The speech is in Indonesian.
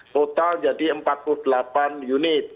total jadi empat puluh delapan unit